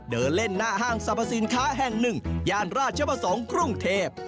เดินเล่นหน้าห้างสรรพสินค้าแห่งหนึ่งย่านราชประสงค์กรุงเทพ